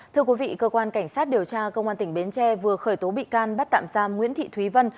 thưa quý vị cơ quan cảnh sát điều tra công an tỉnh bến tre vừa khởi tố bị can bắt tạm giam nguyễn thị thúy vân